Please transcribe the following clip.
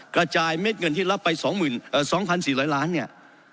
กระจายเม็ดเงินที่รับไป๒๔๐๐ล้านเนี่ย